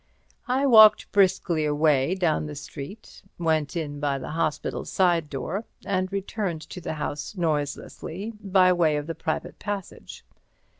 I walked briskly away down the street, went in by the hospital side door, and returned to the house noiselessly by way of the private passage.